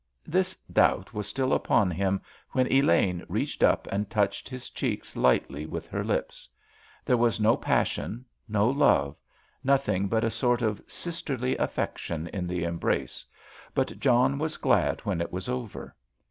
This doubt was still upon him when Elaine reached up and touched his cheeks lightly with her lips. There was no passion, no love—nothing but a sort of sisterly affection in the embrace, but John was glad when it was over.